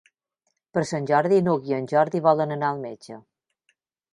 Per Sant Jordi n'Hug i en Jordi volen anar al metge.